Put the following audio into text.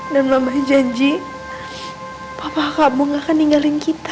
dan mama janji papa kamu gak akan ninggalin kita